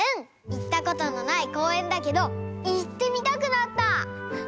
いったことのないこうえんだけどいってみたくなった！